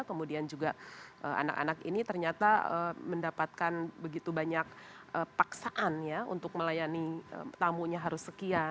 kemudian juga anak anak ini ternyata mendapatkan begitu banyak paksaan ya untuk melayani tamunya harus sekian